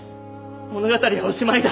物語はおしまいだ。